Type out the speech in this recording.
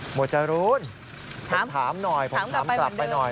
หมวดจรูนผมถามกลับไปหน่อย